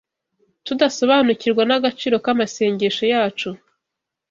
tudasobanukirwa n’agaciro k’amasengesho yacu!